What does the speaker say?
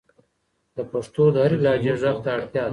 د پښتو د هرې لهجې ږغ ته اړتیا ده.